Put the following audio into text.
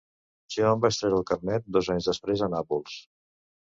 Jo em vaig traure el carnet dos anys després a Nàpols.